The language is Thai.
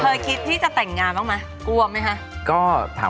เคยคิดว่าการจนกลับของพี่หน้านะ